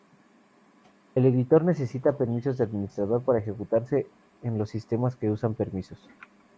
El editor necesita permisos de administrador para ejecutarse en los sistemas que usan permisos.